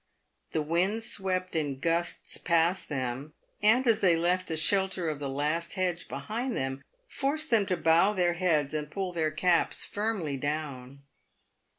The wind swept in gusts past them, and, as they left the shelter of the last hedge behind them, forced them to bow their heads, and pull their caps firmly down.